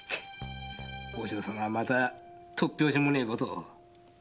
和尚様はまた突拍子もねえことを。